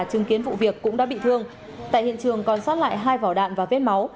chứng kiến vụ việc cũng đã bị thương tại hiện trường còn sót lại hai vỏ đạn và vết máu